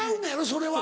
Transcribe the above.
それは。